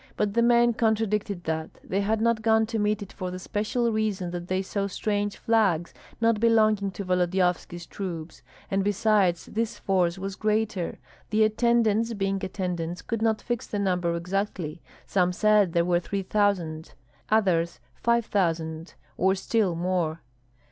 But the men contradicted that. They had not gone to meet it for the special reason that they saw strange flags, not belonging to Volodyovski's troops. And besides, this force was greater. The attendants, being attendants, could not fix the number exactly; some said there were three thousand; others five thousand, or still more.